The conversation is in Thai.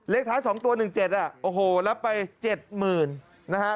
ท้าย๒ตัว๑๗อ่ะโอ้โหรับไป๗๐๐นะฮะ